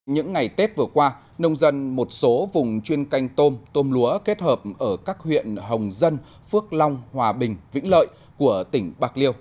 những ngày tết vừa qua nông dân một số vùng chuyên canh tôm tôm lúa kết hợp ở các huyện hồng dân phước long hòa bình vĩnh lợi của tỉnh bạc liêu